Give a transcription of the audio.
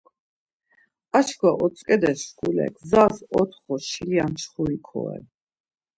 Ar çkva otzǩedes şkule gzas otxo şilya mçxuri koren.